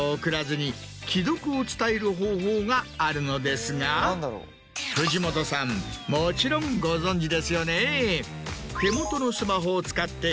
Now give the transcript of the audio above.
方法があるのですが藤本さんもちろんご存じですよね？